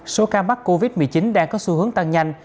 số ca mắc covid một mươi chín đang có xu hướng tăng nhanh